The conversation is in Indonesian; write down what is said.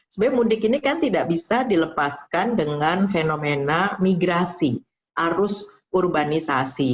sebenarnya mudik ini kan tidak bisa dilepaskan dengan fenomena migrasi arus urbanisasi